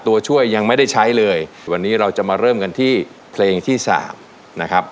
ตัวช่วยยังไม่ได้ใช้เลยวันนี้เราจะมาเริ่มกันที่เพลงที่สามนะครับ